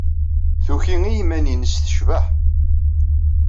Tuki i yiman-nnes tecbeḥ.